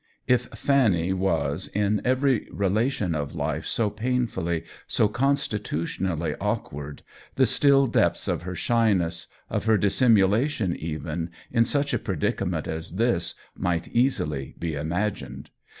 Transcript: If Fanny was in every relation of life so pain fully, so constitutionally awkward, the still depths of her shyness, of her dissimulation even, in such a predicament as this, might easily be imagined.